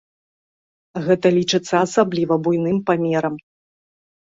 Гэта лічыцца асабліва буйным памерам.